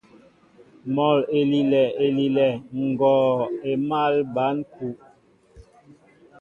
Mɔ elilɛ elilɛ, ngɔɔ émal ɓăn kúw.